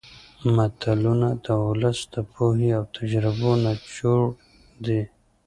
متلونه د ولس د پوهې او تجربو نچوړ دي